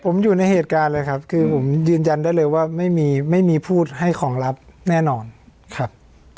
ผมอยู่ในเหตุการณ์เลยครับคือผมยืนยันได้เลยว่าไม่มีไม่มีผู้ให้ของรับแน่นอนครับ